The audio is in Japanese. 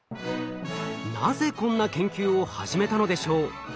なぜこんな研究を始めたのでしょう？